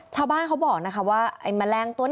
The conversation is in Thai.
ชาวบ้านเขาบอกนะคะว่าไอ้แมลงตัว